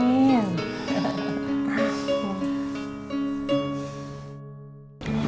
gak ada apa apa